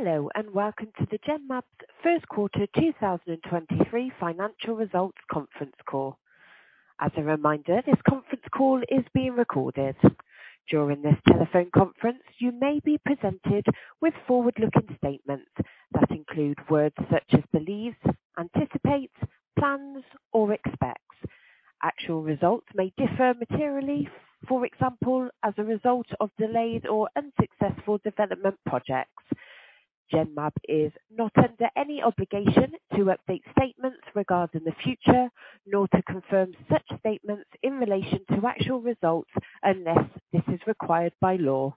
Hello, welcome to Genmab's Q1 2023 financial results conference call. As a reminder, this conference call is being recorded. During this telephone conference, you may be presented with forward-looking statements that include words such as believes, anticipates, plans, or expects. Actual results may differ materially, for example, as a result of delayed or unsuccessful development projects. Genmab is not under any obligation to update statements regarding the future, nor to confirm such statements in relation to actual results unless this is required by law.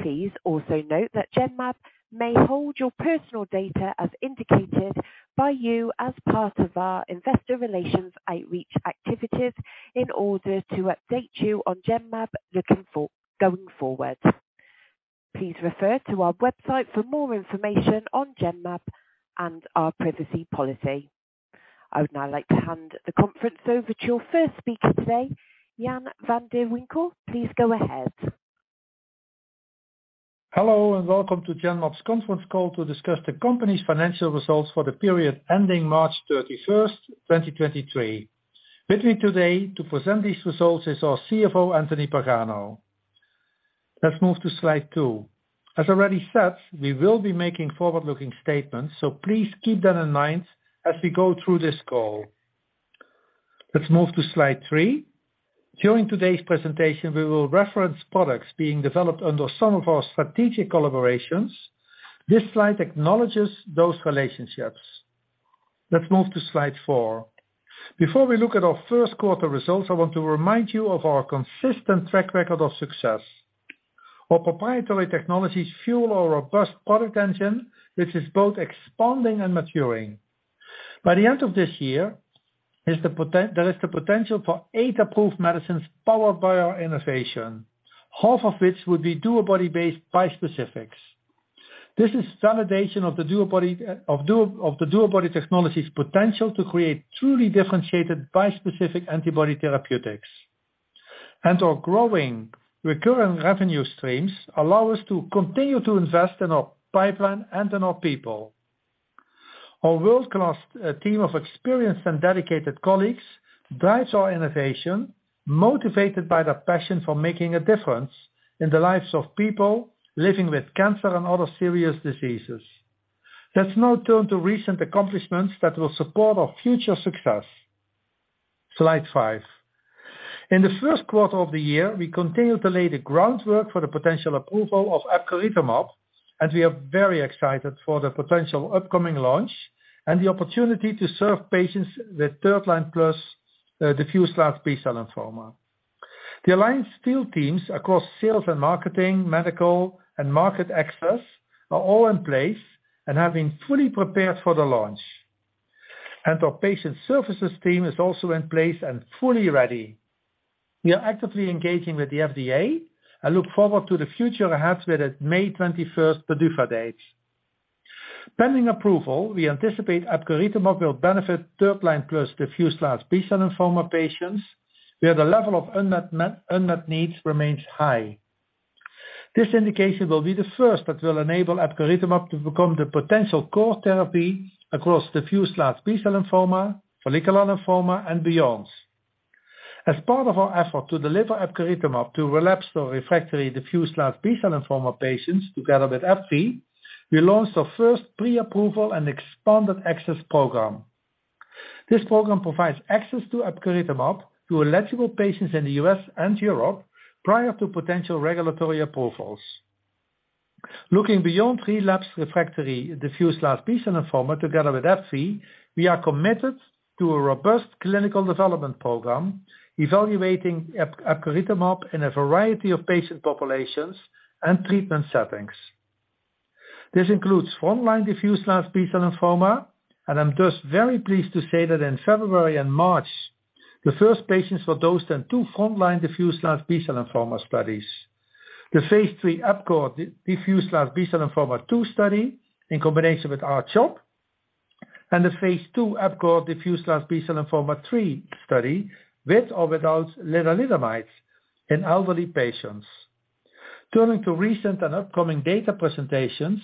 Please also note that Genmab may hold your personal data as indicated by you as part of our investor relations outreach activities in order to update you on Genmab going forward. Please refer to our website for more information on Genmab and our privacy policy. I would now like to hand the conference over to your first speaker today, Jan van de Winkel. Please go ahead. Hello, welcome to Genmab's conference call to discuss the company's financial results for the period ending March 31st, 2023. With me today to present these results is our CFO, Anthony Pagano. Let's move to slide two. As already said, we will be making forward-looking statements, please keep that in mind as we go through this call. Let's move to slide three. During today's presentation, we will reference products being developed under some of our strategic collaborations. This slide acknowledges those relationships. Let's move to slide 4. Before we look at our Q1 results, I want to remind you of our consistent track record of success. Our proprietary technologies fuel our robust product engine, which is both expanding and maturing. By the end of this year, there is the potential for eight approved medicines powered by our innovation, half of which would be DuoBody-based bispecifics. This is validation of the DuoBody technology's potential to create truly differentiated bispecific antibody therapeutics. Our growing recurrent revenue streams allow us to continue to invest in our pipeline and in our people. Our world-class team of experienced and dedicated colleagues drives our innovation, motivated by their passion for making a difference in the lives of people living with cancer and other serious diseases. Let's now turn to recent accomplishments that will support our future success. Slide five. In the Q1 of the year, we continued to lay the groundwork for the potential approval of epcoritamab. We are very excited for the potential upcoming launch and the opportunity to serve patients with third line plus diffuse large B-cell lymphoma. The alliance field teams across sales and marketing, medical and market access are all in place and have been fully prepared for the launch. Our patient services team is also in place and fully ready. We are actively engaging with the FDA and look forward to the future ahead with its May 21st PDUFA date. Pending approval, we anticipate epcoritamab will benefit third line plus diffuse large B-cell lymphoma patients, where the level of unmet needs remains high. This indication will be the first that will enable epcoritamab to become the potential core therapy across diffuse large B-cell lymphoma, follicular lymphoma and beyond. As part of our effort to deliver epcoritamab to relapsed or refractory diffuse large B-cell lymphoma patients together with AbbVie, we launched our first pre-approval and expanded access program. This program provides access to epcoritamab to eligible patients in the U.S. and Europe prior to potential regulatory approvals. Looking beyond relapse refractory diffuse large B-cell lymphoma together with AbbVie, we are committed to a robust clinical development program evaluating epcoritamab in a variety of patient populations and treatment settings. This includes frontline diffuse large B-cell lymphoma. I'm just very pleased to say that in February and March, the first patients were dosed in 2 frontline diffuse large B-cell lymphoma studies. The phase III EPCORE DLBCL-2 study in combination with R-CHOP. The phase II EPCORE DLBCL-3 study with or without lenalidomide in elderly patients. Turning to recent and upcoming data presentations,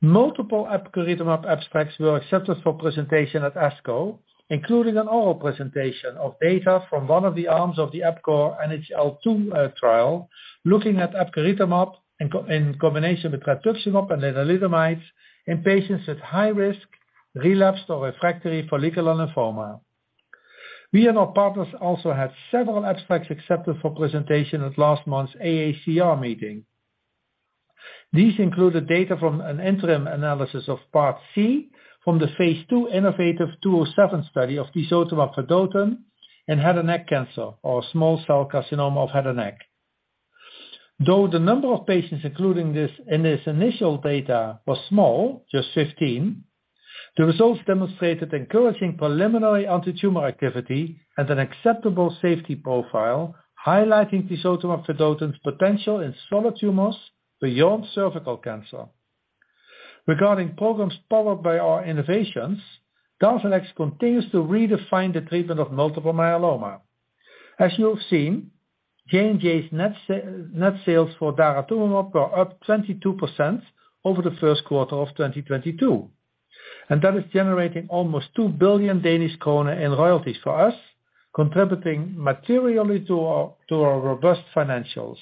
multiple epcoritamab abstracts were accepted for presentation at ASCO, including an oral presentation of data from one of the arms of the EPCORE NHL-2 trial, looking at epcoritamab in combination with trastuzumab and lenalidomide in patients with high risk, relapsed or refractory follicular lymphoma. We and our partners also had several abstracts accepted for presentation at last month's AACR meeting. These included data from an interim analysis of part C from the phase II innovaTV 207 study of tisotumab vedotin in head and neck cancer or small cell carcinoma of head and neck. Though the number of patients in this initial data was small, just 15, the results demonstrated encouraging preliminary antitumor activity and an acceptable safety profile, highlighting tisotumab vedotin's potential in solid tumors beyond cervical cancer. Regarding programs powered by our innovations, DARZALEX continues to redefine the treatment of multiple myeloma. As you've seen, J&J's net sales for daratumumab were up 22% over the Q1 of 2022, that is generating almost 2 billion Danish kroner in royalties for us, contributing materially to our robust financials.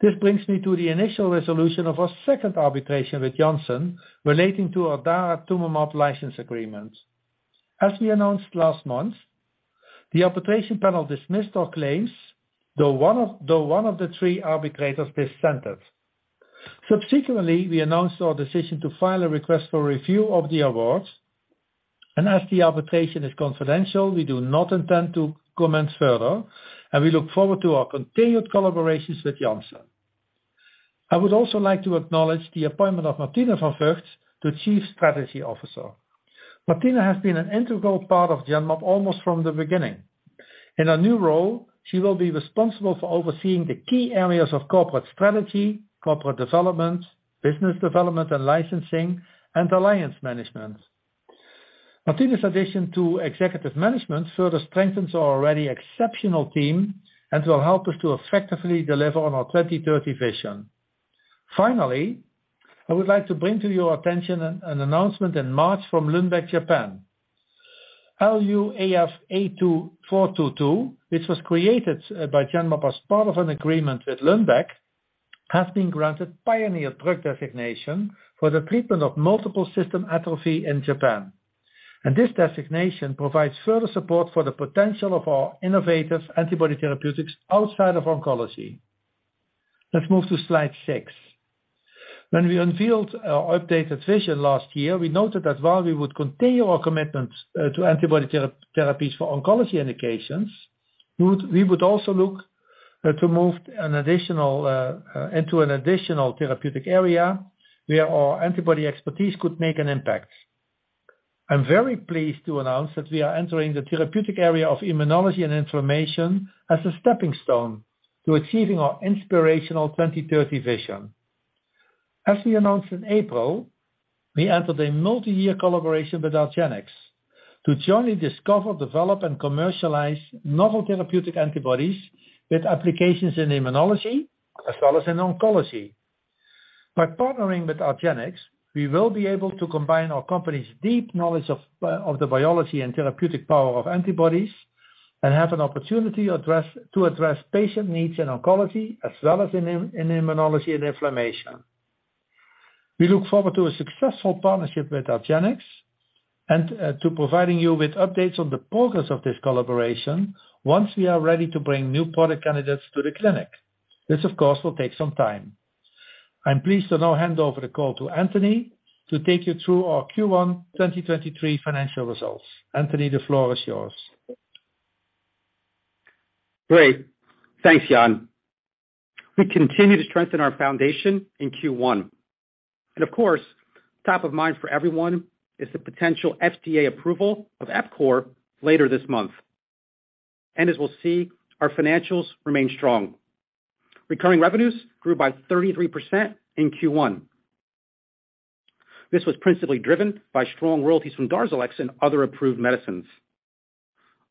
This brings me to the initial resolution of our second arbitration with Janssen relating to our daratumumab license agreement. As we announced last month, the arbitration panel dismissed our claims, though one of the three arbitrators dissented. Subsequently, we announced our decision to file a request for review of the awards. As the arbitration is confidential, we do not intend to comment further, and we look forward to our continued collaborations with Janssen. I would also like to acknowledge the appointment of Martine van Vugt to Chief Strategy Officer. Martine has been an integral part of Genmab almost from the beginning. In her new role, she will be responsible for overseeing the key areas of corporate strategy, corporate development, business development and licensing, and alliance management. Martine's addition to executive management further strengthens our already exceptional team and will help us to effectively deliver on our 2030 vision. Finally, I would like to bring to your attention an announcement in March from Lundbeck Japan. Lu AF82422, which was created by Genmab as part of an agreement with Lundbeck, has been granted pioneer drug designation for the treatment of multiple system atrophy in Japan. This designation provides further support for the potential of our innovative antibody therapeutics outside of oncology. Let's move to slide six. When we unveiled our updated vision last year, we noted that while we would continue our commitment to antibody therapies for oncology indications, we would also look to move into an additional therapeutic area where our antibody expertise could make an impact. I'm very pleased to announce that we are entering the therapeutic area of immunology and inflammation as a stepping stone to achieving our inspirational 2030 vision. As we announced in April, we entered a multi-year collaboration with argenx to jointly discover, develop, and commercialize novel therapeutic antibodies with applications in immunology as well as in oncology. By partnering with argenx, we will be able to combine our company's deep knowledge of the biology and therapeutic power of antibodies and have an opportunity to address patient needs in oncology as well as in immunology and inflammation. We look forward to a successful partnership with argenx and to providing you with updates on the progress of this collaboration once we are ready to bring new product candidates to the clinic. This, of course, will take some time. I'm pleased to now hand over the call to Anthony to take you through our Q1 2023 financial results. Anthony, the floor is yours. Great. Thanks, Jan. We continue to strengthen our foundation in Q1. Of course, top of mind for everyone is the potential FDA approval of Epcor later this month. As we'll see, our financials remain strong. Recurring revenues grew by 33% in Q1. This was principally driven by strong royalties from DARZALEX and other approved medicines.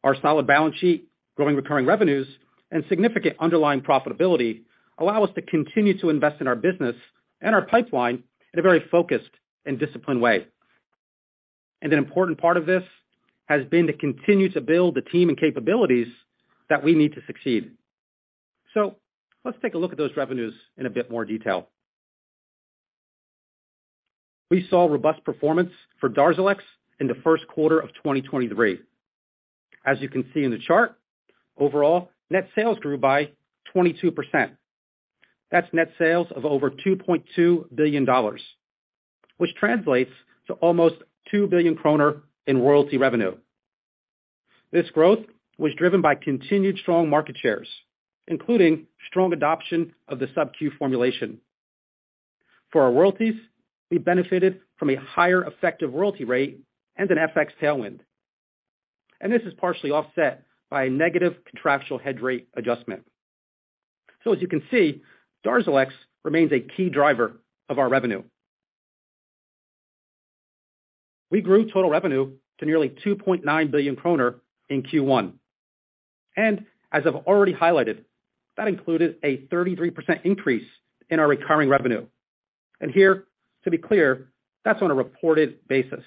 Our solid balance sheet, growing recurring revenues, and significant underlying profitability allow us to continue to invest in our business and our pipeline in a very focused and disciplined way. An important part of this has been to continue to build the team and capabilities that we need to succeed. Let's take a look at those revenues in a bit more detail. We saw robust performance for DARZALEX in the Q1 of 2023. As you can see in the chart, overall, net sales grew by 22%. That's net sales of over $2.2 billion, which translates to almost 2 billion kroner in royalty revenue. This growth was driven by continued strong market shares, including strong adoption of the SubQ formulation. For our royalties, we benefited from a higher effective royalty rate and an FX tailwind, this is partially offset by a negative contractual hedge rate adjustment. As you can see, DARZALEX remains a key driver of our revenue. We grew total revenue to nearly 2.9 billion kroner in Q1. As I've already highlighted, that included a 33% increase in our recurring revenue. Here, to be clear, that's on a reported basis.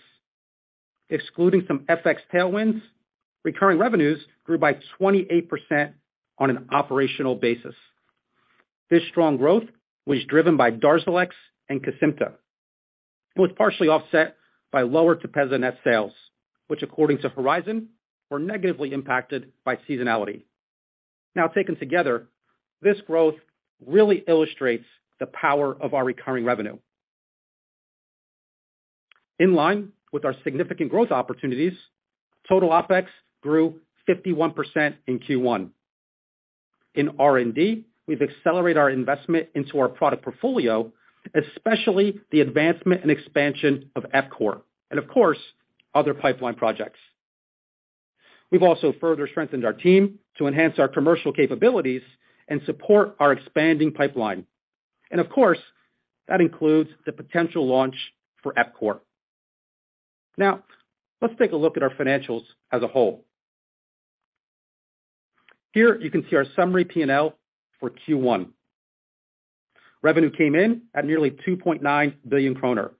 Excluding some FX tailwinds, recurring revenues grew by 28% on an operational basis. This strong growth was driven by DARZALEX and Cimzia, but was partially offset by lower TEPEZZA net sales, which according to Horizon, were negatively impacted by seasonality. Taken together, this growth really illustrates the power of our recurring revenue. In line with our significant growth opportunities, total OPEX grew 51% in Q1. In R&D, we've accelerated our investment into our product portfolio, especially the advancement and expansion of Epcor, and of course, other pipeline projects. We've also further strengthened our team to enhance our commercial capabilities and support our expanding pipeline. Of course, that includes the potential launch for Epcor. Let's take a look at our financials as a whole. Here you can see our summary P&L for Q1. Revenue came in at nearly 2.9 billion kroner.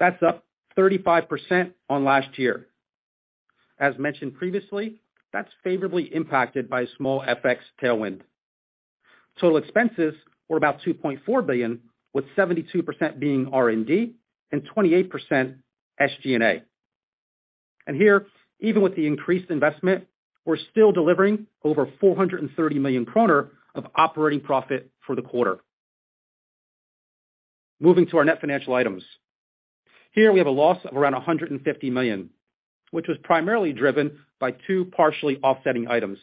That's up 35% on last year. As mentioned previously, that's favorably impacted by a small FX tailwind. Total expenses were about 2.4 billion, with 72% being R&D and 28% SG&A. Here, even with the increased investment, we're still delivering over 430 million kroner of operating profit for the quarter. Moving to our net financial items. Here we have a loss of around 150 million, which was primarily driven by two partially offsetting items.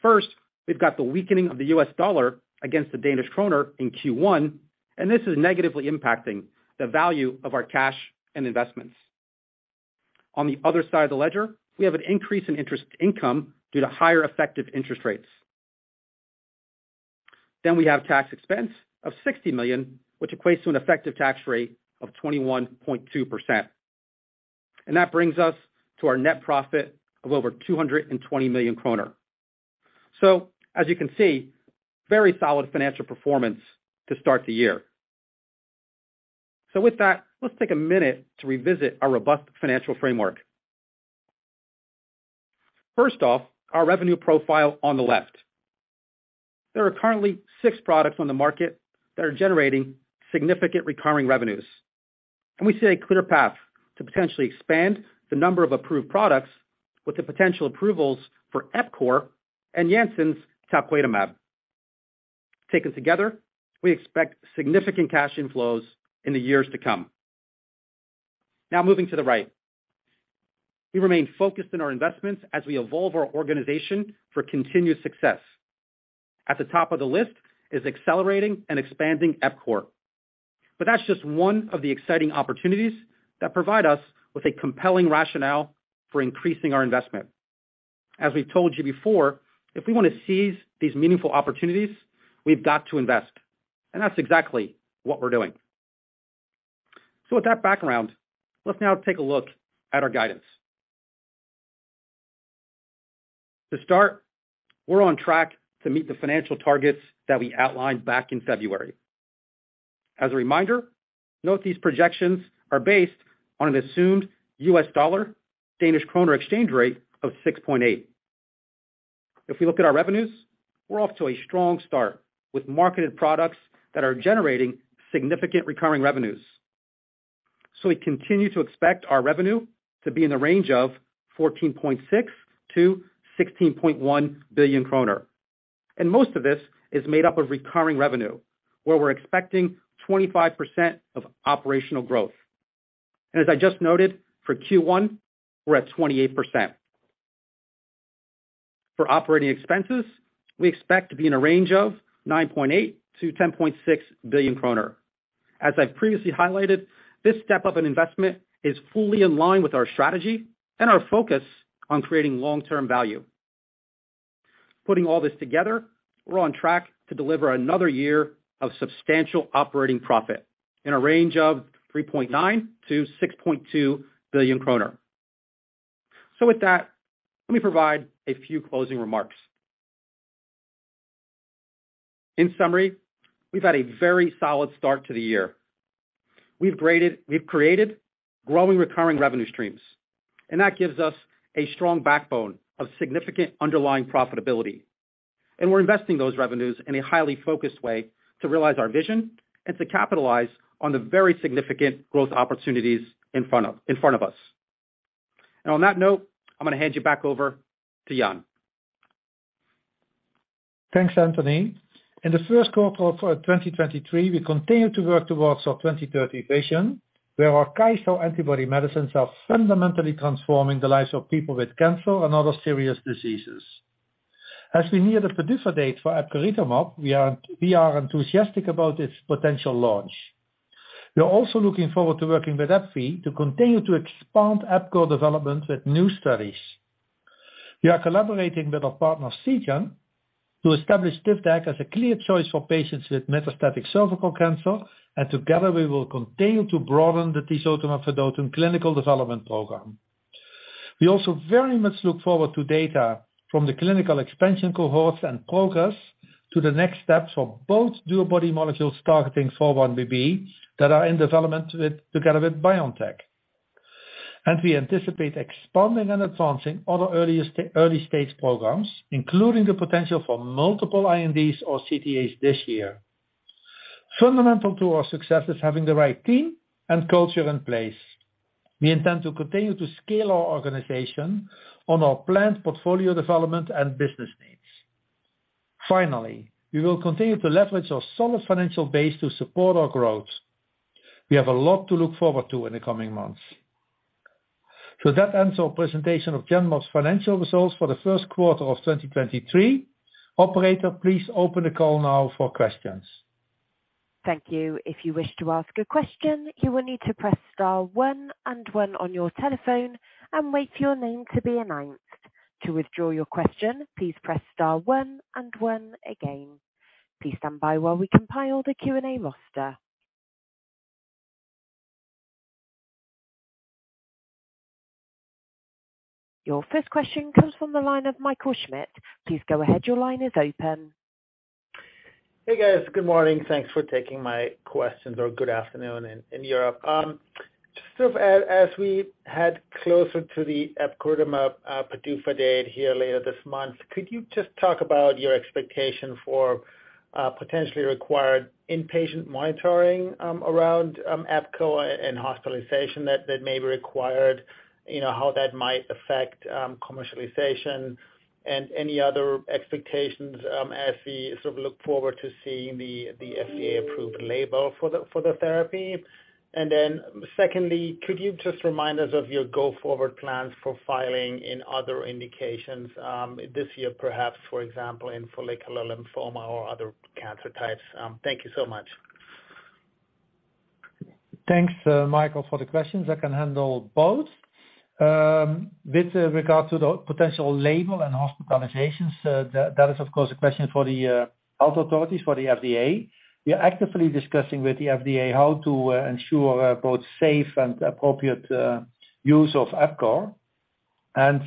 First, we've got the weakening of the US dollar against the Danish kroner in Q1, and this is negatively impacting the value of our cash and investments. On the other side of the ledger, we have an increase in interest income due to higher effective interest rates. We have tax expense of 60 million, which equates to an effective tax rate of 21.2%. That brings us to our net profit of over 220 million kroner. As you can see, very solid financial performance to start the year. With that, let's take a minute to revisit our robust financial framework. First off, our revenue profile on the left. There are currently six products on the market that are generating significant recurring revenues. We see a clear path to potentially expand the number of approved products with the potential approvals for Epcor and Janssen's talquetamab. Taken together, we expect significant cash inflows in the years to come. Moving to the right. We remain focused in our investments as we evolve our organization for continued success. At the top of the list is accelerating and expanding Epcor. That's just one of the exciting opportunities that provide us with a compelling rationale for increasing our investment. As we've told you before, if we want to seize these meaningful opportunities, we've got to invest. That's exactly what we're doing. With that background, let's now take a look at our guidance. To start, we're on track to meet the financial targets that we outlined back in February. As a reminder, note these projections are based on an assumed U.S. dollar Danish kroner exchange rate of 6.8. If we look at our revenues, we're off to a strong start with marketed products that are generating significant recurring revenues. We continue to expect our revenue to be in the range of 14.6 billion-16.1 billion kroner. Most of this is made up of recurring revenue, where we're expecting 25% of operational growth. As I just noted, for Q1, we're at 28%. For operating expenses, we expect to be in a range of 9.8 billion-10.6 billion kroner. As I've previously highlighted, this step-up in investment is fully in line with our strategy and our focus on creating long-term value. Putting all this together, we're on track to deliver another year of substantial operating profit in a range of 3.9 billion-6.2 billion kroner. With that, let me provide a few closing remarks. In summary, we've had a very solid start to the year. We've created growing recurring revenue streams, and that gives us a strong backbone of significant underlying profitability. We're investing those revenues in a highly focused way to realize our vision and to capitalize on the very significant growth opportunities in front of us. On that note, I'm gonna hand you back over to Jan. Thanks, Anthony. In the Q1 of 2023, we continued to work towards our 2030 vision, where our KYSO antibody medicines are fundamentally transforming the lives of people with cancer and other serious diseases. As we near the produce date for epcoritamab, we are enthusiastic about its potential launch. We are also looking forward to working with AbbVie to continue to expand Epcor development with new studies. We are collaborating with our partner Seagen to establish Tivdak as a clear choice for patients with metastatic cervical cancer. Together we will continue to broaden the tisotumab vedotin clinical development program. We also very much look forward to data from the clinical expansion cohorts and progress to the next steps for both DuoBody molecules targeting 4-1BB that are in development together with BioNTech. We anticipate expanding and advancing other earliest, early-stage programs, including the potential for multiple INDs or CTAs this year. Fundamental to our success is having the right team and culture in place. We intend to continue to scale our organization on our planned portfolio development and business needs. Finally, we will continue to leverage our solid financial base to support our growth. We have a lot to look forward to in the coming months. That ends our presentation of Genmab's financial results for the Q1 of 2023. Operator, please open the call now for questions. Thank you. If you wish to ask a question, you will need to press star one and one on your telephone and wait for your name to be announced. To withdraw your question, please press star one and one again. Please stand by while we compile the Q&A roster. Your first question comes from the line of Michael Schmidt. Please go ahead. Your line is open. Hey, guys. Good morning. Thanks for taking my questions, or good afternoon in Europe. Just sort of as we head closer to the epcoritamab PDUFA date here later this month, could you just talk about your expectation for potentially required inpatient monitoring around epco and hospitalization that may be required, you know, how that might affect commercialization and any other expectations as we sort of look forward to seeing the FDA-approved label for the therapy? Secondly, could you just remind us of your go-forward plans for filing in other indications this year, perhaps, for example, in follicular lymphoma or other cancer types? Thank you so much. Thanks, Michael, for the questions. I can handle both. With regard to the potential label and hospitalizations, that is, of course, a question for the health authorities, for the FDA. We are actively discussing with the FDA how to ensure both safe and appropriate use of epcor. I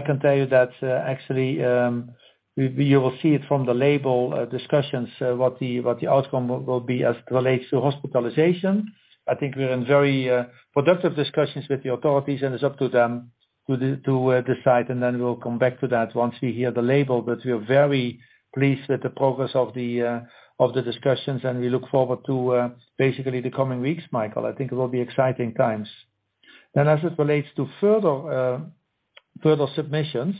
can tell you that, actually, you will see it from the label discussions what the outcome will be as it relates to hospitalization. I think we're in very productive discussions with the authorities, and it's up to them to decide, and then we'll come back to that once we hear the label. We are very pleased with the progress of the discussions, and we look forward to basically the coming weeks, Michael. I think it will be exciting times. As it relates to further submissions,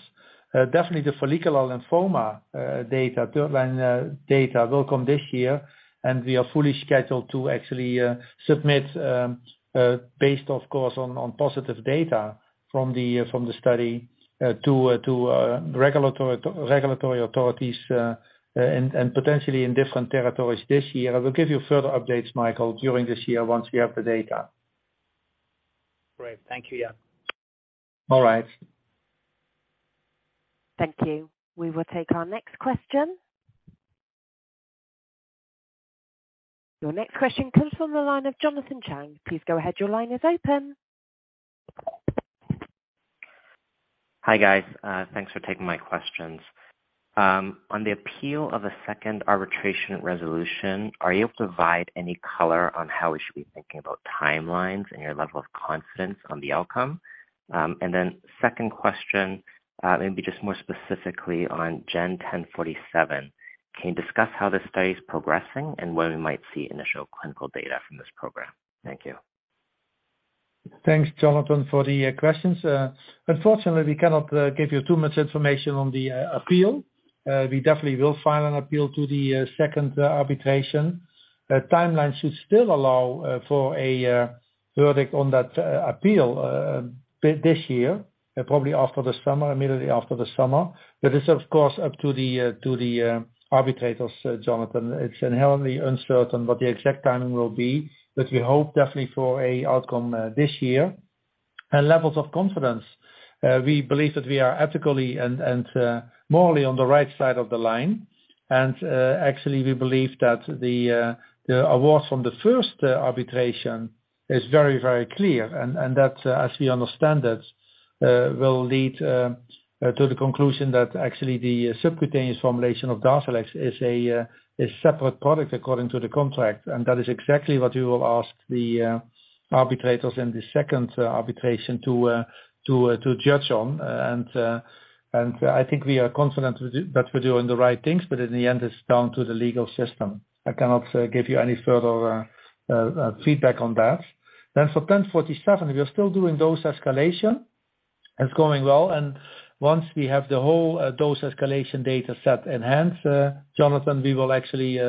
definitely the follicular lymphoma data, third line data will come this year, and we are fully scheduled to actually submit, based, of course, on positive data from the study, to regulatory authorities, and potentially in different territories this year. I will give you further updates, Michael, during this year once we have the data. Great. Thank you. Yeah. All right. Thank you. We will take our next question. Your next question comes from the line of Jonathan Chang. Please go ahead. Your line is open. Hi, guys. Thanks for taking my questions. On the appeal of a second arbitration resolution, are you able to provide any color on how we should be thinking about timelines and your level of confidence on the outcome? Second question, maybe just more specifically on GEN1047, can you discuss how the study's progressing and when we might see initial clinical data from this program? Thank you. Thanks, Jonathan, for the questions. Unfortunately, we cannot give you too much information on the appeal. We definitely will file an appeal to the second arbitration. The timeline should still allow for a verdict on that appeal this year, probably after the summer, immediately after the summer. It's, of course, up to the arbitrators, Jonathan. It's inherently uncertain what the exact timing will be, but we hope definitely for a outcome this year. Levels of confidence, we believe that we are ethically and morally on the right side of the line, and actually we believe that the awards from the first arbitration is very, very clear. That, as we understand it, will lead to the conclusion that actually the subcutaneous formulation of DARZALEX is a separate product according to the contract, and that is exactly what we will ask the arbitrators in the second arbitration to judge on. I think we are confident with it, that we're doing the right things, but in the end, it's down to the legal system. I cannot give you any further feedback on that. For GEN1047, we are still doing dose escalation. It's going well, and once we have the whole dose escalation data set in hand, Jonathan, we will actually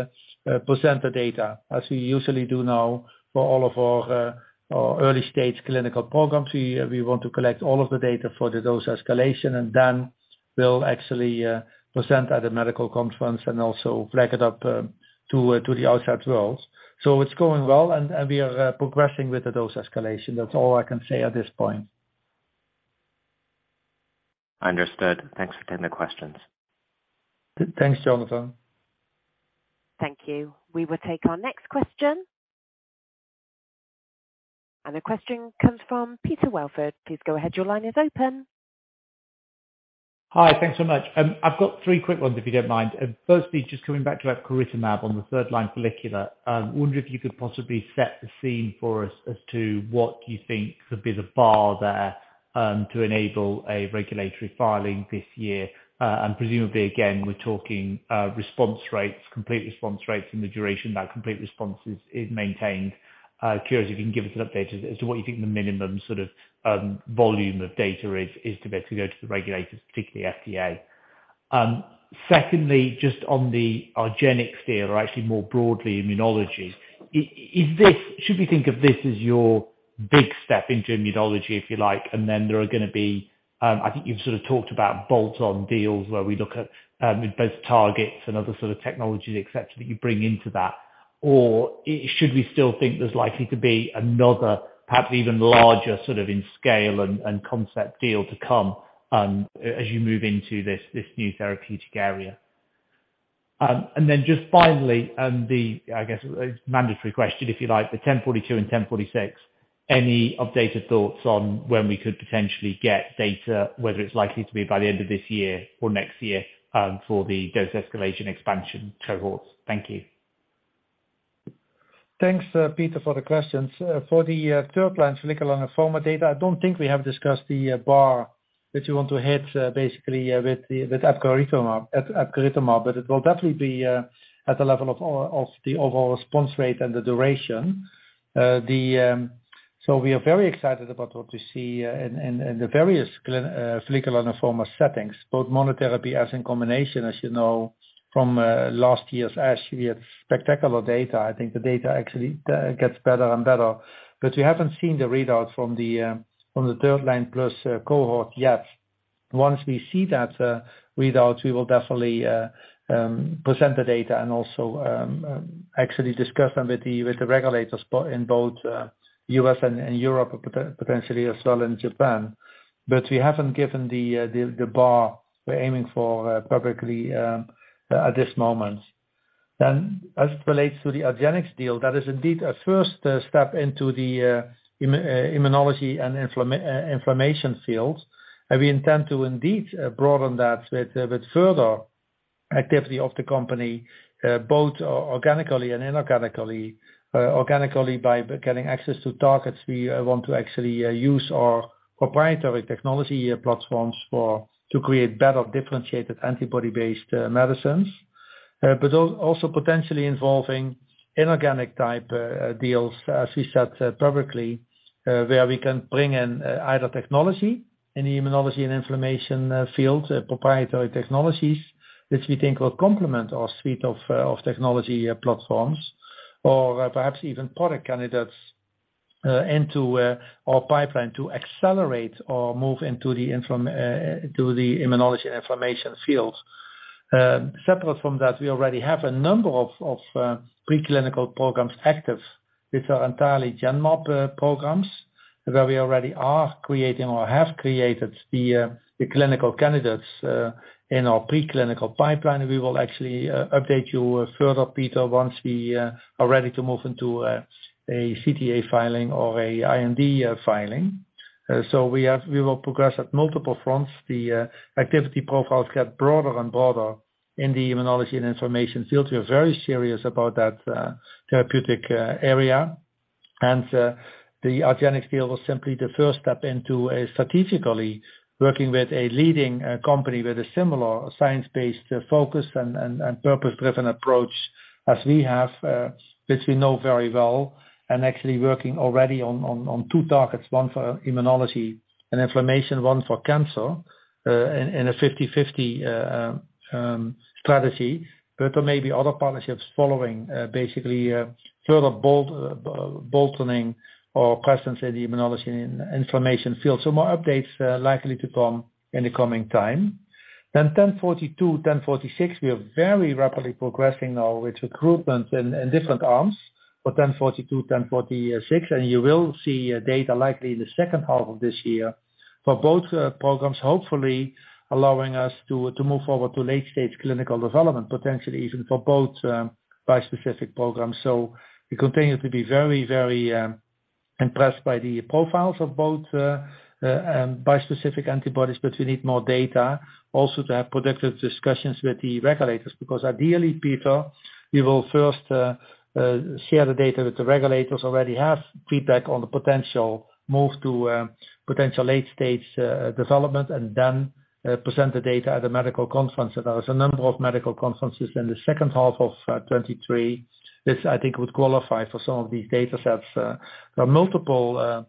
present the data, as we usually do now for all of our early-stage clinical programs. We, we want to collect all of the data for the dose escalation, and then we'll actually present at a medical conference and also flag it up to the outside world. It's going well, and we are progressing with the dose escalation. That's all I can say at this point. Understood. Thanks for taking the questions. Thanks, Jonathan. Thank you. We will take our next question. The question comes from Peter Welford. Please go ahead. Your line is open. Hi. Thanks so much. I've got three quick ones, if you don't mind. Firstly, just coming back to epcoritamab on the third line follicular, wonder if you could possibly set the scene for us as to what you think could be the bar there, to enable a regulatory filing this year. And presumably, again, we're talking, response rates, complete response rates and the duration that complete response is maintained. Curious if you can give us an update as to what you think the minimum sort of volume of data is to be, to go to the regulators, particularly FDA. Secondly, just on the argenx deal, or actually more broadly, immunology, is this... Should we think of this as your big step into immunology, if you like, and then there are gonna be, I think you've sort of talked about bolt-on deals where we look at both targets and other sort of technologies, et cetera, that you bring into that? Should we still think there's likely to be another, perhaps even larger sort of in scale and concept deal to come as you move into this new therapeutic area? Just finally, the, I guess, mandatory question, if you like, the GEN1042 and GEN1046. Any updated thoughts on when we could potentially get data, whether it's likely to be by the end of this year or next year, for the dose escalation expansion cohorts? Thank you. Thanks, Peter, for the questions. For the third line follicular lymphoma data, I don't think we have discussed the bar that you want to hit, basically, with epcoritamab, but it will definitely be at the level of the overall response rate and the duration. We are very excited about what we see in the various follicular lymphoma settings, both monotherapy as in combination. As you know from last year's ASH, we have spectacular data. I think the data actually gets better and better. We haven't seen the readouts from the third line plus cohort yet. Once we see that readout, we will definitely present the data and also actually discuss them with the regulators in both U.S. and Europe, potentially as well in Japan. We haven't given the bar we're aiming for publicly at this moment. As it relates to the argenx deal, that is indeed a first step into the immunology and inflammation field. We intend to indeed broaden that with further activity of the company, both organically and inorganically. Organically by getting access to targets we want to actually use our proprietary technology platforms for, to create better differentiated antibody-based medicines. Also potentially involving inorganic type deals, as we said publicly, where we can bring in either technology in the immunology and inflammation field, proprietary technologies which we think will complement our suite of technology platforms, or perhaps even product candidates into our pipeline to accelerate our move into the immunology and inflammation field. Separate from that, we already have a number of preclinical programs active, which are entirely Genmab programs, where we already are creating or have created the clinical candidates in our preclinical pipeline. We will actually update you further, Peter, once we are ready to move into a CTA filing or a IND filing. We will progress at multiple fronts. The activity profiles get broader and broader in the immunology and inflammation field. We are very serious about that therapeutic area. The argenx deal was simply the first step into strategically working with a leading company with a similar science-based focus and purpose-driven approach as we have, which we know very well, and actually working already on two targets, one for immunology and inflammation, one for cancer, in a 50/50 strategy. There may be other partnerships following basically further bold-boltening our presence in the immunology and inflammation field. More updates likely to come in the coming time. GEN1042, GEN1046, we are very rapidly progressing now with recruitment in different arms for GEN1042, GEN1046, and you will see data likely in the second half of this year for both programs, hopefully allowing us to move forward to late-stage clinical development, potentially even for both bispecific programs. We continue to be very impressed by the profiles of both bispecific antibodies, but we need more data also to have productive discussions with the regulators. Ideally, Peter, we will first share the data that the regulators already have, feedback on the potential move to potential late-stage development, and then present the data at a medical conference. There is a number of medical conferences in the second half of 2023. This, I think, would qualify for some of these data sets. There are multiple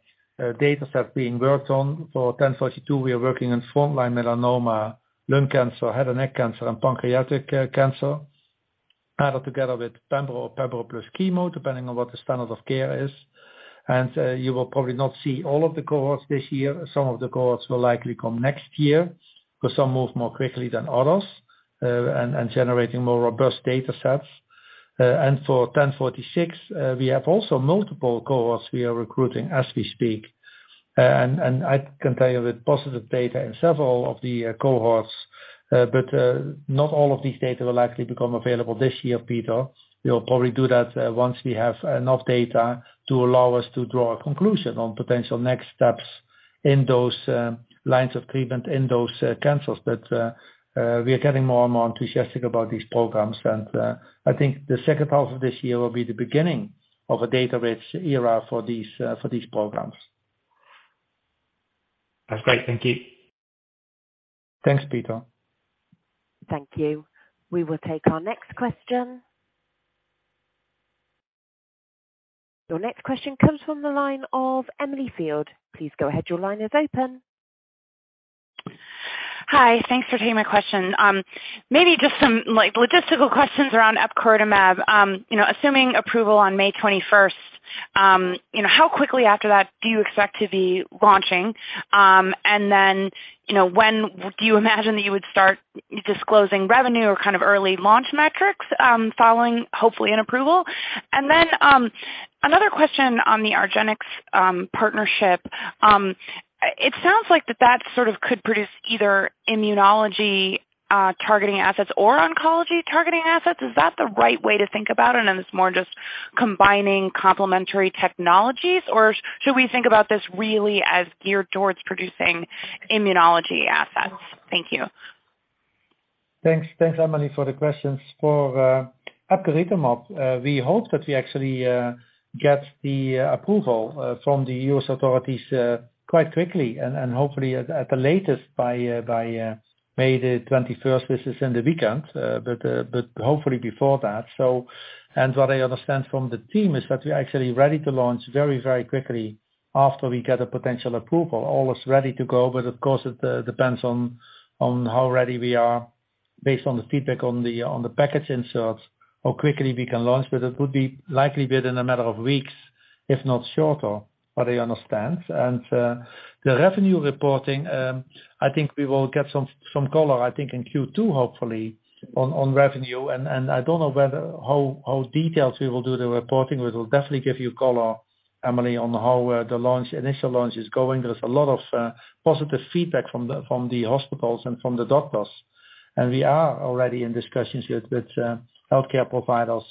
data sets being worked on. For GEN1042, we are working in front line melanoma, lung cancer, head and neck cancer, and pancreatic cancer, either together with pembro or pembro plus chemo, depending on what the standard of care is. You will probably not see all of the cohorts this year. Some of the cohorts will likely come next year, because some move more quickly than others and generating more robust data sets. For GEN1046, we have also multiple cohorts we are recruiting as we speak. I can tell you with positive data in several of the cohorts, but not all of these data will likely become available this year, Peter. We'll probably do that, once we have enough data to allow us to draw a conclusion on potential next steps in those, lines of treatment in those, cancers. We are getting more and more enthusiastic about these programs. I think the second half of this year will be the beginning of a data-rich era for these, for these programs. That's great. Thank you. Thanks, Peter. Thank you. We will take our next question. Your next question comes from the line of Emily Field. Please go ahead. Your line is open. Hi. Thanks for taking my question. Maybe just some, like, logistical questions around epcoritamab. You know, assuming approval on May 21st, you know, how quickly after that do you expect to be launching? When do you imagine that you would start disclosing revenue or kind of early launch metrics, following, hopefully, an approval? Another question on the argenx partnership, it sounds like that that sort of could produce either immunology targeting assets or oncology targeting assets. Is that the right way to think about it, and it's more just combining complementary technologies, or should we think about this really as geared towards producing immunology assets? Thank you. Thanks. Thanks, Emily, for the questions. For epcoritamab, we hope that we actually get the approval from the U.S. authorities quite quickly and hopefully at the latest by May the 21st, which is in the weekend, but hopefully before that. What I understand from the team is that we're actually ready to launch very quickly after we get a potential approval. All is ready to go, but of course it depends on how ready we are based on the feedback on the package inserts, how quickly we can launch, but it would be likely be within a matter of weeks, if not shorter, what I understand. The revenue reporting, I think we will get some color, I think, in Q2, hopefully, on revenue. I don't know whether... how detailed we will do the reporting, but we'll definitely give you color, Emily, on how the launch, initial launch is going. There's a lot of positive feedback from the hospitals and from the doctors. We are already in discussions with healthcare providers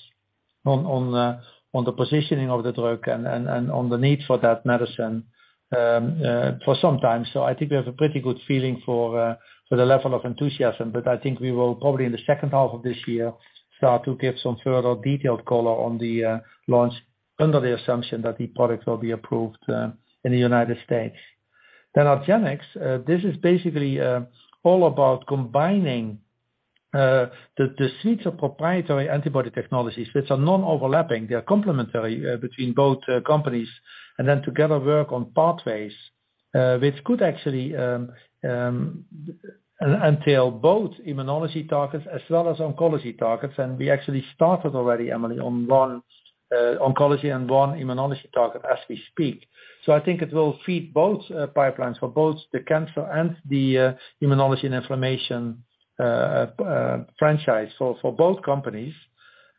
on the positioning of the drug and on the need for that medicine for some time. I think we have a pretty good feeling for the level of enthusiasm, but I think we will probably in the second half of this year start to give some further detailed color on the launch under the assumption that the product will be approved in the United States. argenx, this is basically all about combining the suites of proprietary antibody technologies, which are non-overlapping. They are complementary between both companies and together work on pathways which could actually untail both immunology targets as well as oncology targets. We actually started already, Emily, on one oncology and one immunology target as we speak. I think it will feed both pipelines for both the cancer and the immunology and inflammation franchise, so for both companies.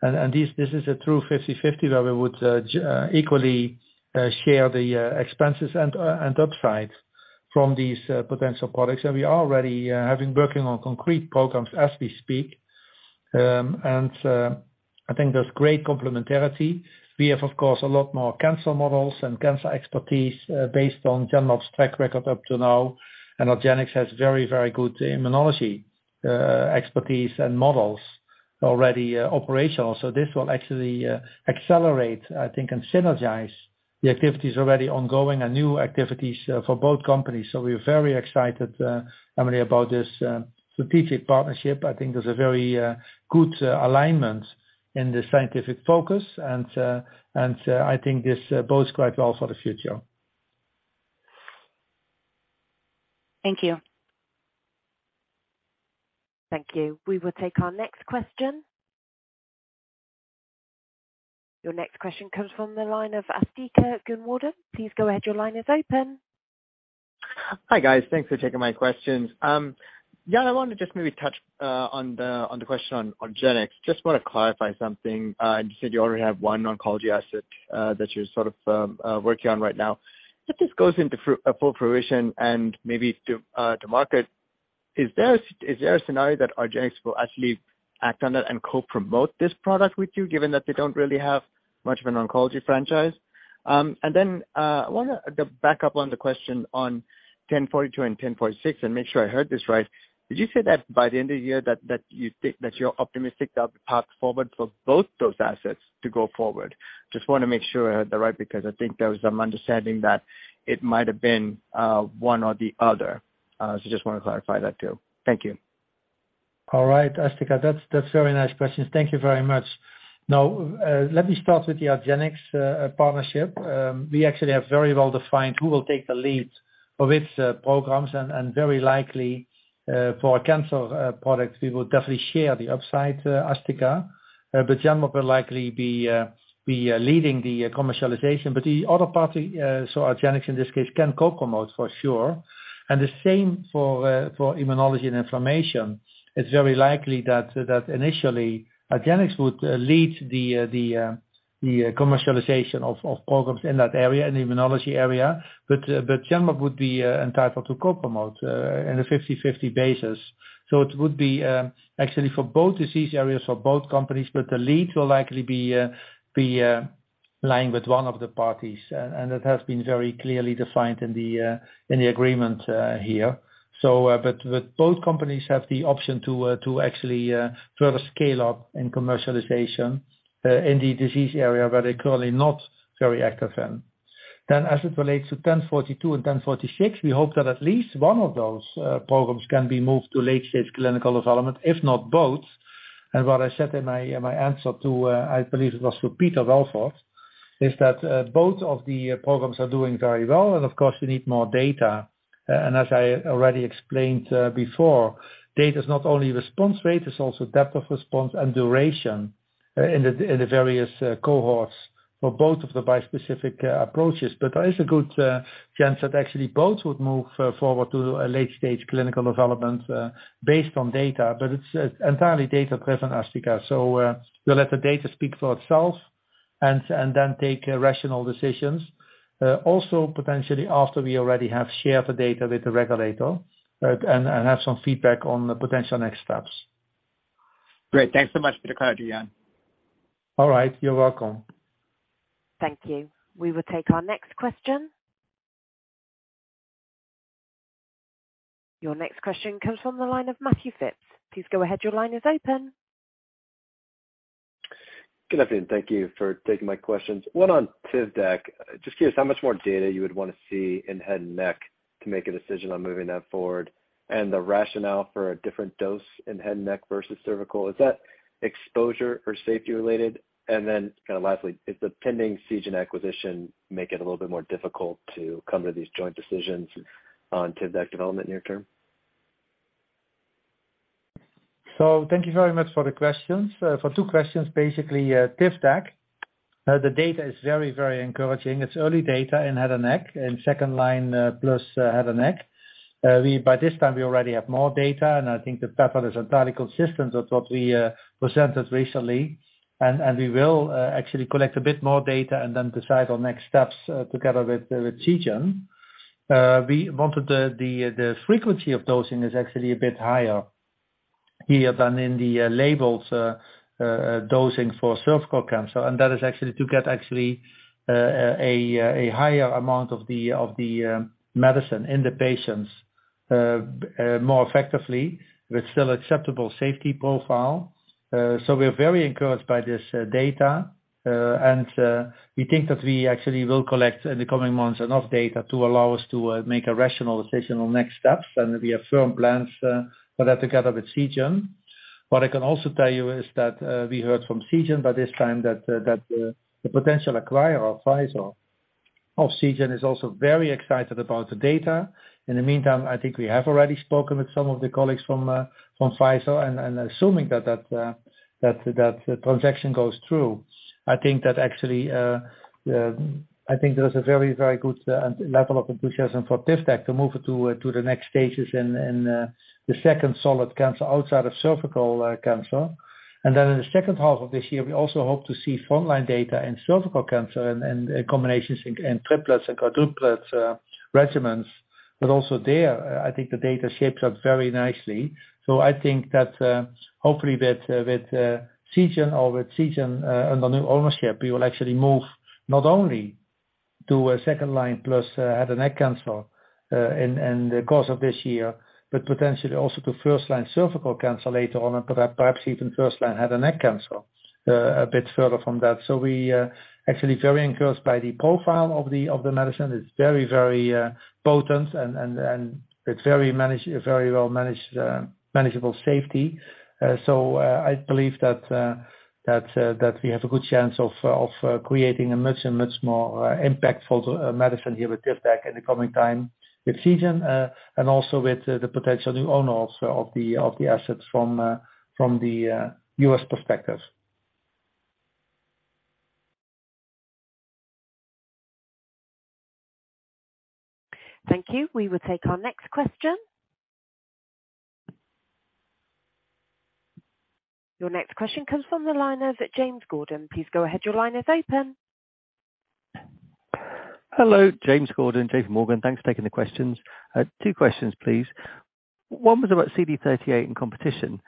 And this is a true 50/50 where we would equally share the expenses and upside from these potential products. We already have been working on concrete programs as we speak. And I think there's great complementarity. We have, of course, a lot more cancer models and cancer expertise, based on Genmab's track record up to now. Argenx has very, very good immunology, expertise and models already operational. This will actually accelerate, I think, and synergize the activities already ongoing and new activities, for both companies. We're very excited, Emily, about this strategic partnership. I think there's a very good alignment in the scientific focus and, I think this bodes quite well for the future. Thank you. Thank you. We will take our next question. Your next question comes from the line of Asthika Goonewardene. Please go ahead. Your line is open. Hi, guys. Thanks for taking my questions. Yeah, I wanna just maybe touch on the question on argenx. Just wanna clarify something. You said you already have one oncology asset that you're sort of working on right now. If this goes into full fruition and maybe to market, is there a scenario that argenx will actually act on that and co-promote this product with you, given that they don't really have much of an oncology franchise? I wanna back up on the question on GEN1042 and GEN1046 and make sure I heard this right. Did you say that by the end of the year that you think that you're optimistic about the path forward for both those assets to go forward? Just wanna make sure I heard that right because I think there was some understanding that it might have been one or the other. Just wanna clarify that too. Thank you. All right. Asthika, that's very nice questions. Thank you very much. Let me start with the argenx partnership. We actually have very well defined who will take the lead of which programs, and very likely for cancer products, we will definitely share the upside, Asthika. Genmab will likely be leading the commercialization. The other party, so argenx in this case, can co-promote for sure. The same for immunology and inflammation. It's very likely that initially argenx would lead the commercialization of programs in that area, in the immunology area, but Genmab would be entitled to co-promote in a 50-50 basis. It would be actually for both disease areas, for both companies, but the lead will likely be lying with one of the parties. It has been very clearly defined in the agreement here. With both companies have the option to actually further scale up in commercialization in the disease area where they're currently not very active in. As it relates to GEN1042 and GEN1046, we hope that at least one of those programs can be moved to late-stage clinical development, if not both. What I said in my answer to, I believe it was to Peter Verdult, is that, both of the, programs are doing very well and of course we need more data. As I already explained, before, data is not only response rate, it's also depth of response and duration, in the, in the various, cohorts for both of the bispecific, approaches. There is a good, chance that actually both would move, forward to a late-stage clinical development, based on data, but it's entirely data-driven, Asthika. We'll let the data speak for itself and then take rational decisions. Also potentially after we already have shared the data with the regulator, and have some feedback on the potential next steps. Great. Thanks so much for the clarity, Jan. All right. You're welcome. Thank you. We will take our next question. Your next question comes from the line of Matthew Phipps. Please go ahead. Your line is open. Good afternoon. Thank you for taking my questions. One on Tivdak. Just curious how much more data you would wanna see in head and neck to make a decision on moving that forward and the rationale for a different dose in head and neck versus cervical. Is that exposure or safety related? Then kinda lastly, is the pending Seagen acquisition make it a little bit more difficult to come to these joint decisions on Tivdak development near term? Thank you very much for the questions. For two questions, basically, Tivdak, the data is very, very encouraging. It's early data in head and neck, in second-line plus head and neck. By this time we already have more data, and I think the pattern is entirely consistent of what we presented recently. We will actually collect a bit more data and then decide on next steps together with Seagen. We wanted the frequency of dosing is actually a bit higher here than in the labels dosing for cervical cancer, and that is actually to get actually a higher amount of the medicine in the patients more effectively with still acceptable safety profile. We're very encouraged by this data. We think that we actually will collect in the coming months enough data to allow us to make a rational decision on next steps, and we have firm plans for that together with Seagen. What I can also tell you is that we heard from Seagen by this time that the potential acquirer of Seagen is also very excited about the data. In the meantime, I think we have already spoken with some of the colleagues from Pfizer, assuming that transaction goes through, I think that actually, I think there is a very good level of enthusiasm for Tivdak to move it to the next stages in the second solid cancer outside of cervical cancer. Then in the second half of this year, we also hope to see frontline data in cervical cancer and combinations and triplets and quadruplets regimens. Also there, I think the data shapes up very nicely. I think that hopefully with Seagen under new ownership, we will actually move not only to a second line plus head and neck cancer in the course of this year, but potentially also to first line cervical cancer later on, and perhaps even first line head and neck cancer a bit further from that. We actually very encouraged by the profile of the medicine. It's very, very potent and it's very managed, very well managed, manageable safety. I believe that we have a good chance of creating a much and much more impactful medicine here with Tivdak in the coming time with Seagen, and also with the potential new owners of the assets from the U.S. perspectives. Thank you. We will take our next question. Your next question comes from the line of James Gordon. Please go ahead. Your line is open. Hello. James Gordon, JPMorgan. Thanks for taking the questions. Two questions, please. One was about CD38 and competition.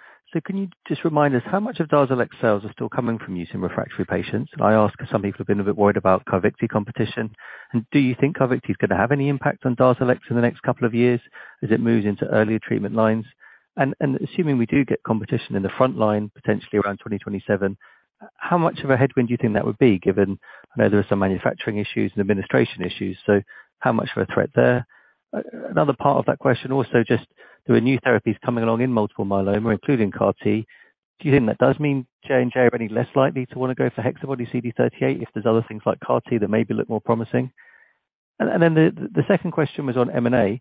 Can you just remind us how much of DARZALEX sales are still coming from using refractory patients? I ask 'cause some people have been a bit worried about CARVYKTI competition. Do you think CARVYKTI is gonna have any impact on DARZALEX in the next couple of years as it moves into earlier treatment lines? And assuming we do get competition in the front line, potentially around 2027, how much of a headwind do you think that would be given I know there are some manufacturing issues and administration issues, so how much of a threat there? Another part of that question, also just there are new therapies coming along in multiple myeloma, including CAR-T. Do you think that does mean J&J are any less likely to wanna go for HexaBody-CD38 if there's other things like CAR-T that maybe look more promising? Then the second question was on M&A.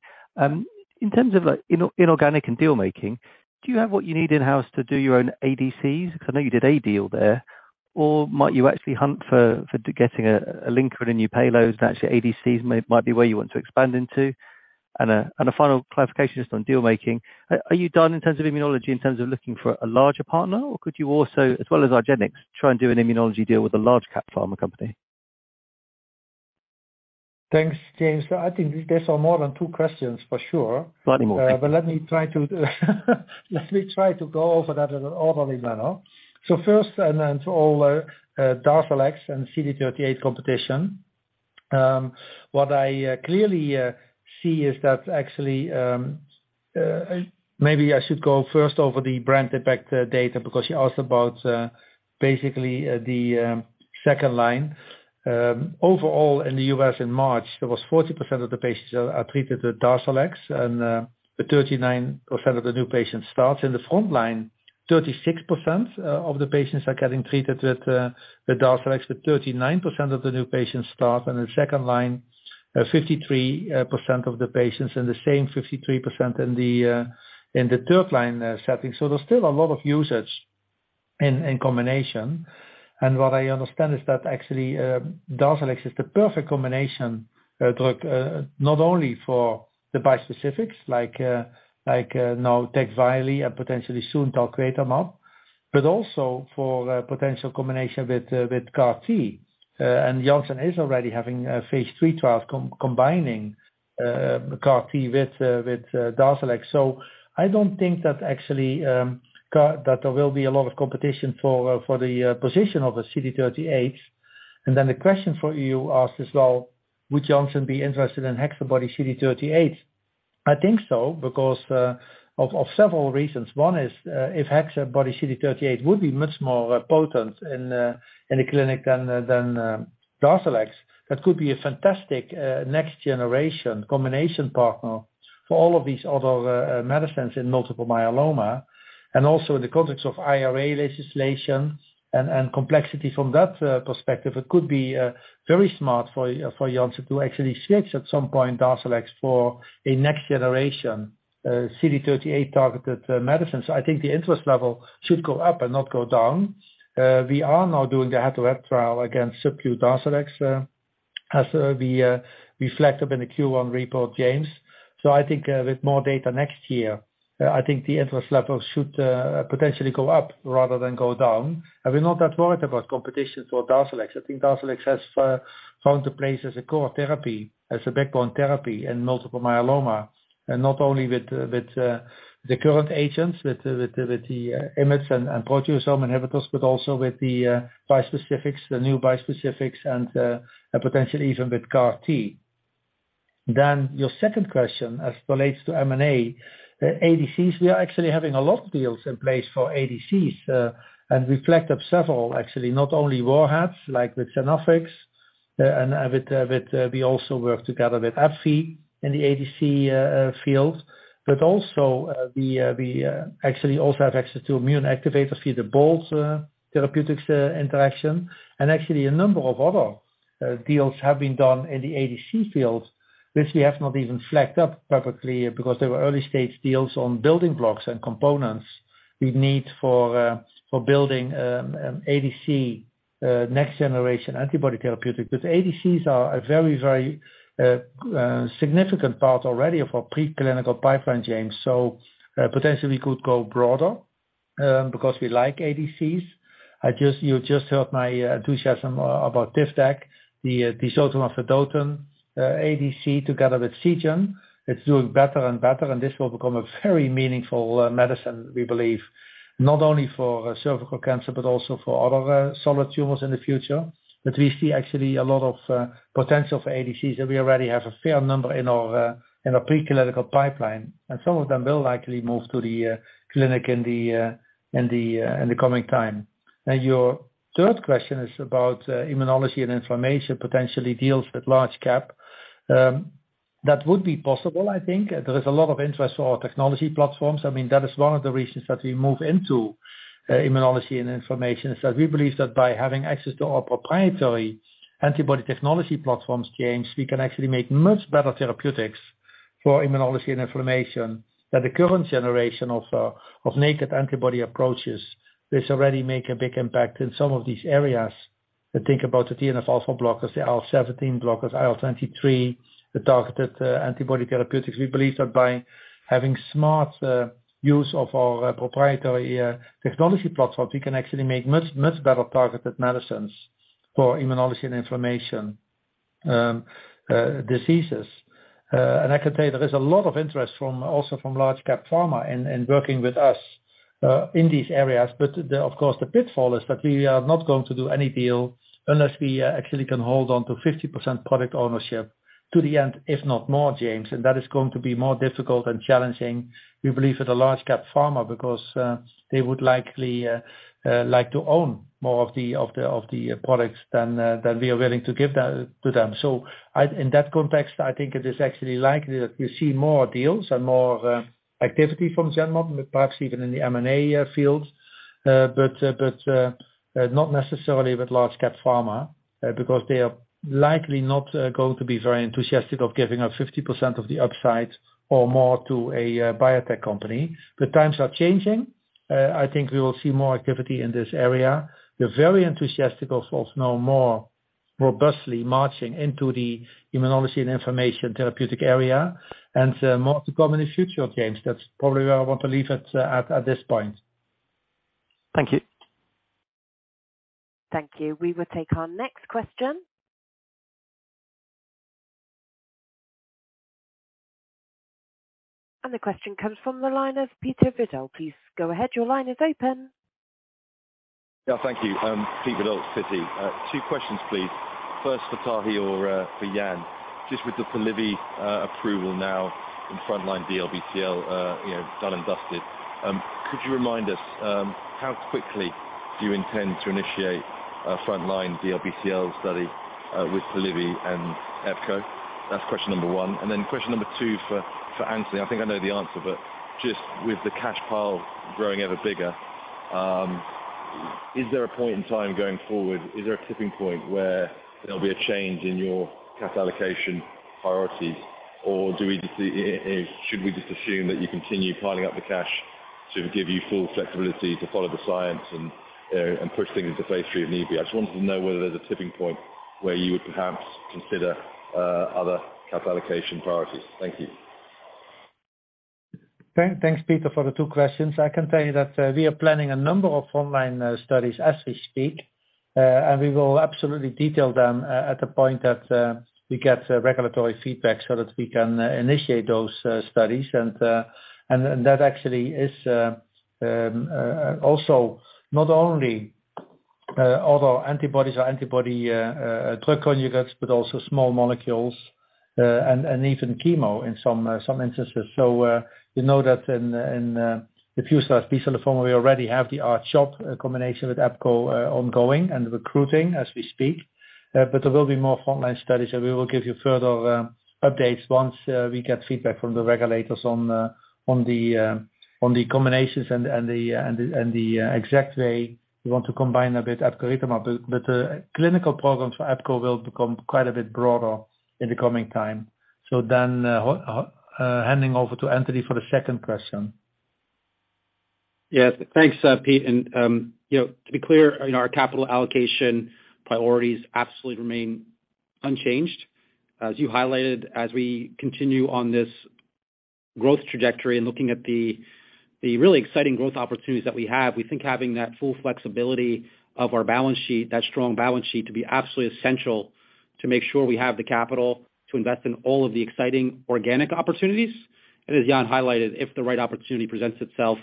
In terms of, like, inorganic and deal-making, do you have what you need in-house to do your own ADCs, 'cause I know you did a deal there, or might you actually hunt for getting a link for the new payloads, and actually ADCs might be where you want to expand into? A final clarification just on deal-making. Are you done in terms of immunology, in terms of looking for a larger partner, or could you also, as well as argenx, try and do an immunology deal with a large cap pharma company? Thanks, James. I think these are more than two questions for sure. Bloody Morgan. Let me try to go over that in an orderly manner. First and to all, DARZALEX and CD38 competition, what I clearly see is that actually. Maybe I should go first over the brand impact data because you asked about basically the second line. Overall in the U.S. in March, there was 40% of the patients are treated with DARZALEX and 39% of the new patients start in the front line. 36% of the patients are getting treated with the DARZALEX. With 39% of the new patients start on the second line. 53% of the patients, and the same 53% in the third line setting. There's still a lot of usage in combination. What I understand is that actually, DARZALEX is the perfect combination to not only for the bispecifics like now TECVAYLI and potentially soon talquetamab, but also for potential combination with CAR-T. Janssen is already having a phase III trial combining CAR-T with DARZALEX. I don't think that actually, that there will be a lot of competition for the position of the CD38. The question for you asked is, well, would Janssen be interested in HexaBody-CD38? I think so because of several reasons. One is, if HexaBody-CD38 would be much more potent in a clinic than DARZALEX, that could be a fantastic next generation combination partner for all of these other medicines in multiple myeloma. Also in the context of IRA legislation and complexity from that perspective, it could be very smart for Janssen to actually switch at some point DARZALEX for a next generation CD38 targeted medicine. I think the interest level should go up and not go down. We are now doing a head-to-head trial against DARZALEX as we reflected in the Q1 report, James. I think, with more data next year, I think the interest level should potentially go up rather than go down. We're not that worried about competition for DARZALEX. I think DARZALEX has found a place as a core therapy, as a backbone therapy in multiple myeloma, and not only with the current agents, with the IMiD and proteasome inhibitors, but also with the bispecifics, the new bispecifics and potentially even with CAR T. Your second question as relates to M&A, ADCs, we are actually having a lot of deals in place for ADCs and reflect of several actually, not only warheads, like with Sanofi, and with we also work together with AbbVie in the ADC field, but also we actually also have access to immune activators via the Bolt Therapeutics interaction. Actually a number of other deals have been done in the ADC field, which we have not even flagged up publicly because they were early-stage deals on building blocks and components we'd need for building ADC next generation antibody therapeutic. ADCs are a very, very significant part already of our preclinical pipeline, James. Potentially we could go broader because we like ADCs. You just heard my enthusiasm about Tivdak, the tisotumab vedotin ADC together with Seagen. It's doing better and better, and this will become a very meaningful medicine we believe, not only for cervical cancer but also for other solid tumors in the future. We see actually a lot of potential for ADCs, and we already have a fair number in our in our preclinical pipeline, and some of them will likely move to the clinic in the in the in the coming time. Your third question is about immunology and inflammation potentially deals with large cap. That would be possible, I think. There is a lot of interest for our technology platforms. That is one of the reasons that we move into immunology and inflammation. Is that we believe that by having access to our proprietary antibody technology platforms, James, we can actually make much better therapeutics for immunology and inflammation than the current generation of naked antibody approaches, which already make a big impact in some of these areas. Think about the TNF-alpha blockers, the IL-17 blockers, IL-23, the targeted, antibody therapeutics. We believe that by having smart, use of our proprietary, technology platform, we can actually make much, much better targeted medicines for immunology and inflammation, diseases. I can tell you there is a lot of interest from, also from large cap pharma in working with us, in these areas. The, of course, the pitfall is that we are not going to do any deal unless we, actually can hold on to 50% product ownership to the end, if not more, James. That is going to be more difficult and challenging, we believe, with a large cap pharma because they would likely like to own more of the products than we are willing to give them. In that context, I think it is actually likely that we see more deals and more activity from Genmab, perhaps even in the M&A field. But not necessarily with large cap pharma because they are likely not going to be very enthusiastic of giving up 50% of the upside or more to a biotech company. The times are changing. I think we will see more activity in this area. We're very enthusiastic also now more robustly marching into the immunology and inflammation therapeutic area, and more to come in the future, James. That's probably where I want to leave it at this point. Thank you. Thank you. We will take our next question. The question comes from the line of Peter Verdult. Please go ahead. Your line is open. Thank you. Peter Welford, Citi. Two questions, please. First for Tahi or for Jan, just with the Polivy approval now in frontline DLBCL, you know, done and dusted, could you remind us how quickly do you intend to initiate a frontline DLBCL study with Polivy and Epco? That's question number one. Question number two for Anthony, I think I know the answer, but just with the cash pile growing ever bigger, is there a point in time going forward, is there a tipping point where there'll be a change in your cash allocation priorities? Or should we just assume that you continue piling up the cash to give you full flexibility to follow the science and push things into phase III if need be? I just wanted to know whether there's a tipping point where you would perhaps consider other cash allocation priorities? Thank you. Thanks, Peter, for the two questions. I can tell you that we are planning a number of online studies as we speak, and we will absolutely detail them at the point that we get regulatory feedback so that we can initiate those studies. That actually is also not only antibodies or antibody-drug conjugates, but also small molecules, and even chemo in some instances. You know that in a few studies, we already have the R-CHOP combination with Epco ongoing and recruiting as we speak. There will be more frontline studies, and we will give you further updates once we get feedback from the regulators on the combinations and the exact way we want to combine a bit epcoritamab. The clinical programs for Epco will become quite a bit broader in the coming time. Handing over to Anthony for the second question. Yes. Thanks, Pete. You know, to be clear, our capital allocation priorities absolutely remain unchanged. As you highlighted, as we continue on this growth trajectory and looking at the really exciting growth opportunities that we have, we think having that full flexibility of our balance sheet, that strong balance sheet, to be absolutely essential to make sure we have the capital to invest in all of the exciting organic opportunities. As Jan highlighted, if the right opportunity presents itself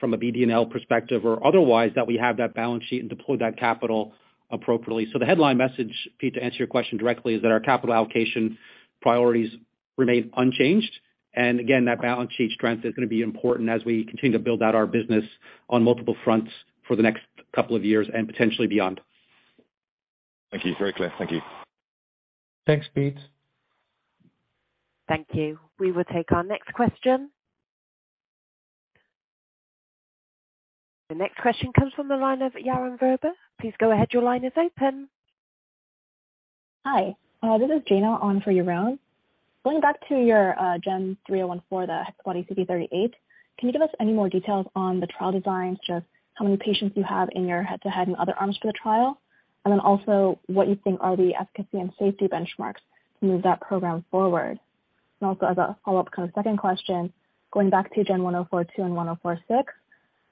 from a BD&L perspective or otherwise, that we have that balance sheet and deploy that capital appropriately. The headline message, Pete, to answer your question directly is that our capital allocation priorities remain unchanged. Again, that balance sheet strength is going to be important as we continue to build out our business on multiple fronts for the next couple of years and potentially beyond. Thank you. Very clear. Thank you. Thanks, Pete. Thank you. We will take our next question. The next question comes from the line of Yaron Werber. Please go ahead. Your line is open. Hi, this is Jana on for Yaron. Going back to your GEN3014. Can you give us any more details on the trial designs, just how many patients you have in your head-to-head and other arms for the trial, and then also what you think are the efficacy and safety benchmarks to move that program forward? As a follow-up kind of second question, going back to GEN1042 and GEN1046.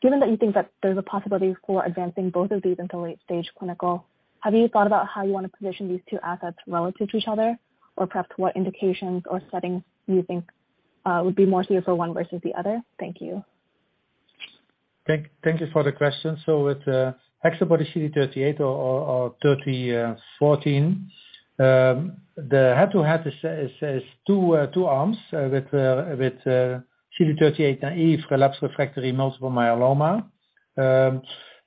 Given that you think that there's a possibility for advancing both of these into late stage clinical, have you thought about how you want to position these two assets relative to each other? Perhaps what indications or settings do you think would be more suitable one versus the other? Thank you. Thank you for the question. With HexaBody-CD38 or 3014, the head-to-head is 2 arms with CD38 naive collapse refractory multiple myeloma.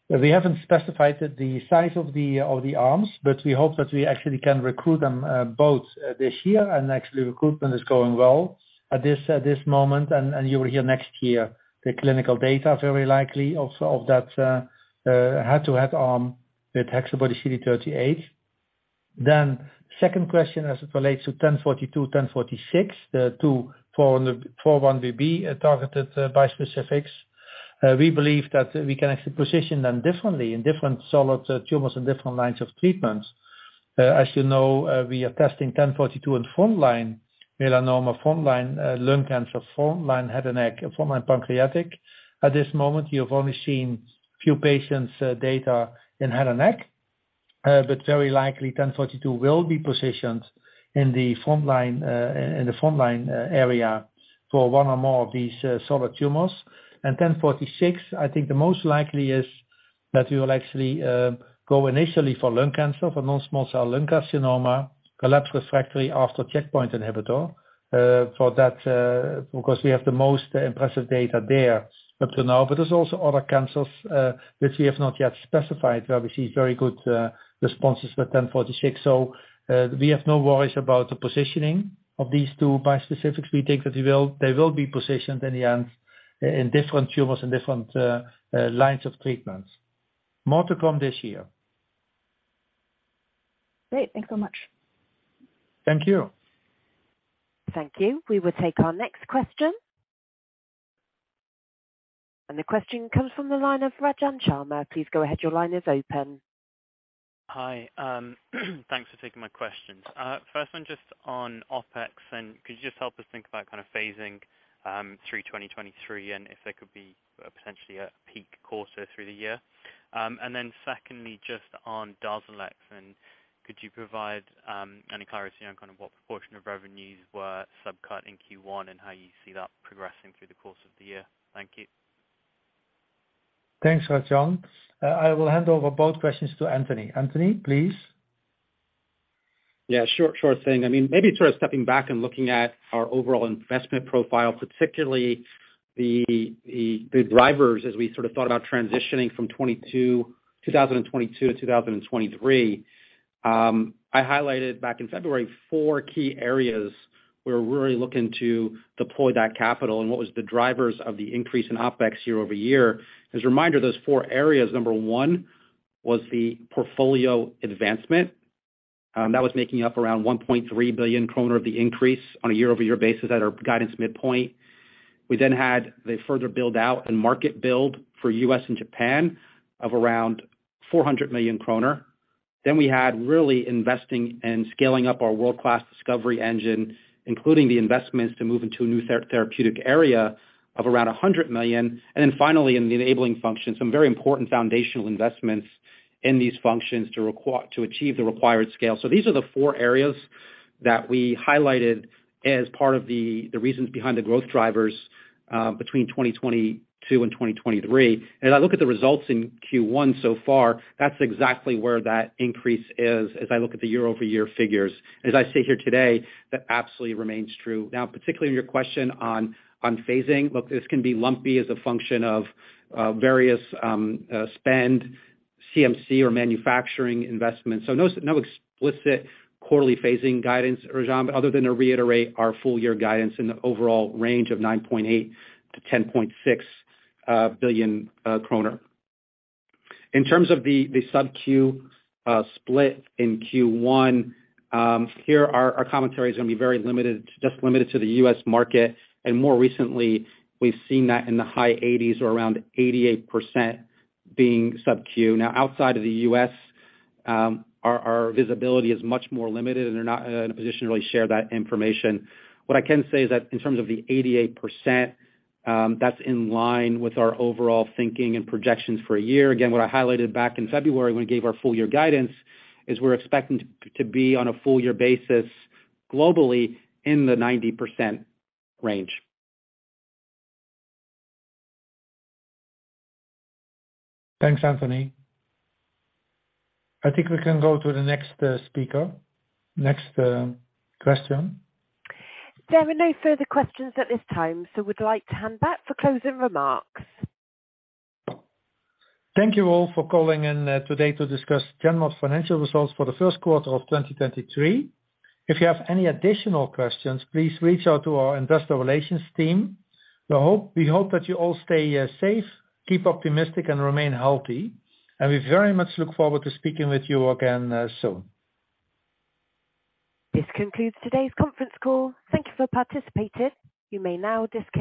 We haven't specified the size of the arms, but we hope that we actually can recruit them both this year. Actually recruitment is going well at this moment. You will hear next year the clinical data very likely also of that head-to-head arm with HexaBody-CD38. Second question as it relates to 1042, 1046, the 2 4-1BB targeted bispecifics. We believe that we actually can position them differently in different solid tumors and different lines of treatments. As you know, we are testing GEN1042 in frontline melanoma, frontline non-small-cell lung carcinoma, frontline head and neck, frontline pancreatic. At this moment, you have only seen few patients data in head and neck, but very likely GEN1042 will be positioned in the frontline area for one or more of these solid tumors. GEN1046, I think the most likely is that we will actually go initially for lung cancer, for non-small-cell lung carcinoma, relapse refractory after checkpoint inhibitor, for that, because we have the most impressive data there up to now. But there's also other cancers which we have not yet specified, where we see very good responses with GEN1046. We have no worries about the positioning of these two bispecifics. We think that they will be positioned in the end in different tumors and different lines of treatments. More to come this year. Great. Thanks so much. Thank you. Thank you. We will take our next question. And the question comes from the line of Rajan Sharma. Please go ahead. Your line is open. Hi. Thanks for taking my questions. First one just on OpEx, could you just help us think about kind of phasing through 2023, and if there could be potentially a peak quarter through the year? Then secondly, just on DARZALEX, could you provide any clarity on kind of what proportion of revenues were sub-cut in Q1 and how you see that progressing through the course of the year? Thank you. Thanks, Rajan. I will hand over both questions to Anthony. Anthony, please. Yeah, sure thing. I mean, maybe sort of stepping back and looking at our overall investment profile, particularly the drivers as we sort of thought about transitioning from 2022 to 2023. I highlighted back in February four key areas where we're really looking to deploy that capital and what was the drivers of the increase in OpEx year-over-year. As a reminder, those four areas, number one was the portfolio advancement, that was making up around 1.3 billion kroner of the increase on a year-over-year basis at our guidance midpoint. We then had the further build out and market build for U.S. and Japan of around 400 million kroner. We had really investing and scaling up our world-class discovery engine, including the investments to move into a new therapeutic area of around 100 million. Finally, in the enabling function, some very important foundational investments in these functions to achieve the required scale. These are the four areas that we highlighted as part of the reasons behind the growth drivers between 2022 and 2023. As I look at the results in Q1 so far, that's exactly where that increase is as I look at the year-over-year figures. As I sit here today, that absolutely remains true. Particularly your question on phasing. Look, this can be lumpy as a function of various spend CMC or manufacturing investments. No explicit quarterly phasing guidance, Rajan, but other than to reiterate our full year guidance in the overall range of 9.8 billion-10.6 billion kroner. In terms of the subQ split in Q1, here our commentary is gonna be very limited, just limited to the U.S. market. More recently we've seen that in the high 80s or around 88% being subQ. Outside of the U.S., our visibility is much more limited, and we're not in a position to really share that information. What I can say is that in terms of the 88%, that's in line with our overall thinking and projections for a year. Again, what I highlighted back in February when we gave our full year guidance is we're expecting to be on a full year basis globally in the 90% range. Thanks, Anthony. I think we can go to the next speaker. Next, question. There are no further questions at this time. We'd like to hand back for closing remarks. Thank you all for calling in today to discuss Genmab's financial results for the Q1 of 2023. If you have any additional questions, please reach out to our investor relations team. We hope that you all stay safe, keep optimistic, and remain healthy. We very much look forward to speaking with you again soon. This concludes today's conference call. Thank You for participating. You may now disconnect.